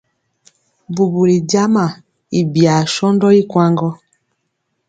Bubuli jama i biyaa sɔndɔ i kwaŋ gɔ.